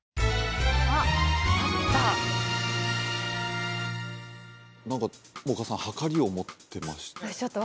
あっ分かった何か萌歌さんはかりを持ってました